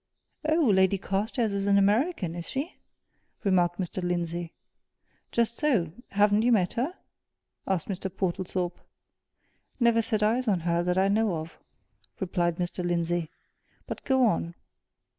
"Oh, Lady Carstairs is an American, is she?" remarked Mr. Lindsey. "Just so haven't you met her?" asked Mr. Portlethorpe. "Never set eyes on her that I know of," replied Mr. Lindsey. "But go on."